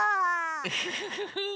ウフフフフ。